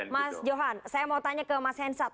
mas johan saya mau tanya ke mas hensat